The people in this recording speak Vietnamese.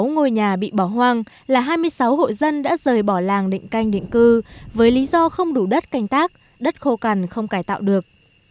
sáu ngôi nhà bị bỏ hoang là hai mươi sáu hộ dân đã rời bỏ làng định canh định cư với lý do không đủ đất canh tác đất khô cằn không cải tạo được